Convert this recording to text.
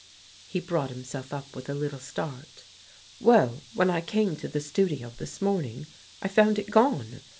He brought himself up with a little start. " Well, when I came to the studio this morning, I found it gone.